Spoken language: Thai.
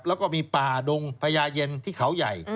แล้วก็มีป่าดงพญาเย็นที่เขาใหญ่